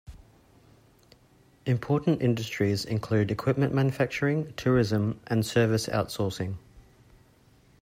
Important industries include equipment manufacturing, tourism, and service outsourcing.